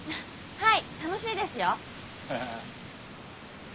はい。